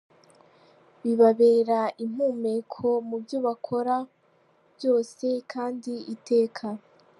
bibabera impumeko mu byo bakora byose, kandi iteka